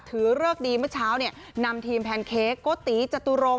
เริกดีเมื่อเช้าเนี่ยนำทีมแพนเค้กโกติจตุรงค